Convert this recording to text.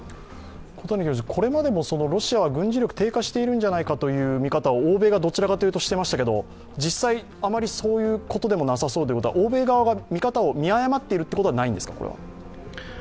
これまでもロシアは軍事力が低下しているんじゃないかという見方を欧米がどちらかというとしていましたけれども、実際、そうでもない、欧米側が見方を見誤っているということはないんですか？